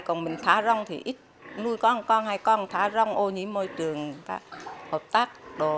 chuồng mình thả rông thì ít nuôi có một con hai con thả rông ô nhí môi trường hợp tác đồ